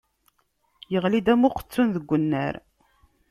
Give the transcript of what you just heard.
Yeɣli-d am uqettun deg unnar.